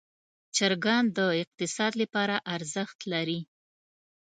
چرګان د اقتصاد لپاره ارزښت لري.